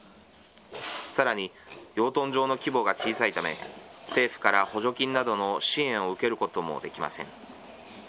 さらに、養豚場の規模が小さいため、政府から補助金などの支援を受けることもできません。